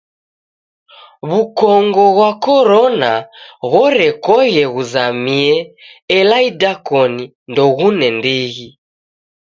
W'ukongo ghwa korona ghorekoghe ghuzamie ela idakoni ndoghune ndighi.